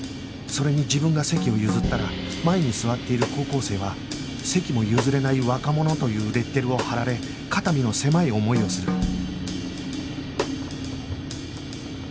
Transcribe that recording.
それに自分が席を譲ったら前に座っている高校生は「席も譲れない若者」というレッテルを貼られ肩身の狭い思いをする